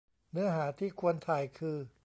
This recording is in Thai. เนื้อหาที่ควรถ่ายคือ